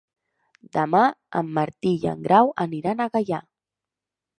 Demà en Martí i en Grau aniran a Gaià.